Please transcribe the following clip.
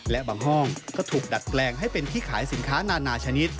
และบางห้องก็ถูกดัดแปลงให้เป็นที่ขายสินค้านานาชนิด